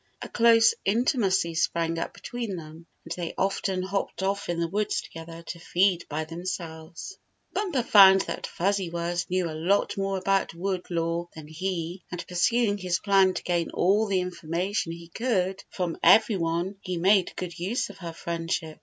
A close intimacy sprang up between them, and they often hopped off in the woods together to feed by themselves. Bumper found that Fuzzy Wuzz knew a lot more about wood lore than he, and pursuing his plan to gain all the information he could from every one he made good use of her friendship.